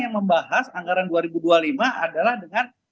yang membahas anggaran dua ribu dua puluh lima adalah dengan